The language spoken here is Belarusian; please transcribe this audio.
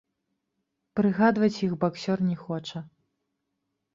Прыгадваць іх баксёр не хоча.